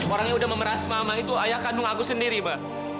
orang yang udah memeras mama itu ayah kanung aku sendiri ma